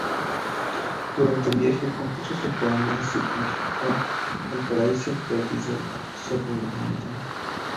Durante el viaje compuso su poema sinfónico El paraíso perdido sobre Milton.